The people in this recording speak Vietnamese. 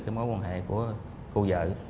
cái mối quan hệ của cô vợ